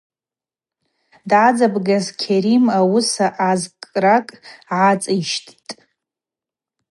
Дъадзабгаз Кьарим агӏуыса азкӏкӏракӏ гӏацӏищттӏ.